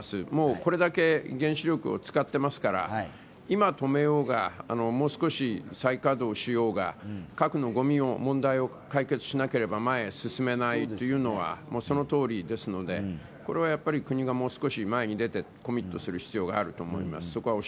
これだけ原子力を使っていますから今、止めようがもう少し再稼働しようが核のごみの問題を解決しなければ前へ進めないというのはそのとおりですのでこれは国がもう少し前に出て、コミットする必要があると思います。